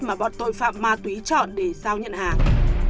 mà bọn tội phạm ma túy chọn để giao nhận hàng